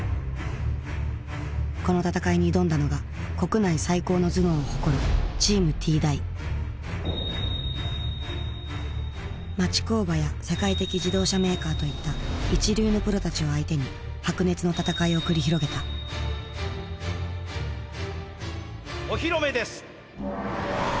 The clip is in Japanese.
この戦いに挑んだのが国内最高の頭脳を誇るチームＴ大町工場や世界的自動車メーカーといった一流のプロたちを相手に白熱の戦いを繰り広げたお披露目です。